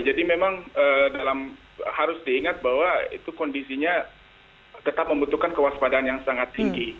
jadi memang harus diingat bahwa kondisinya tetap membutuhkan kewaspadaan yang sangat tinggi